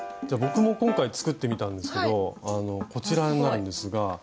僕も今回作ってみたんですけどあのこちらになるんですが。